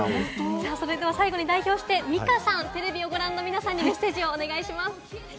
代表してミカさん、テレビをご覧の皆さんにメッセージをお願いします。